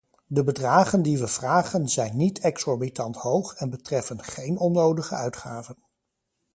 De bedragen die we vragen zijn niet exorbitant hoog en betreffen geen onnodige uitgaven.